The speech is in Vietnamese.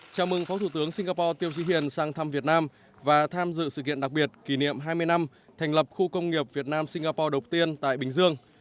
chào mừng phó thủ tướng singapore tiêu trí hiền sang thăm việt nam và tham dự sự kiện đặc biệt kỷ niệm hai mươi năm thành lập khu công nghiệp việt nam singapore đầu tiên tại bình dương